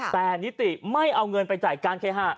แต่นิติไม่เอาเงินไปจ่ายการเคหะ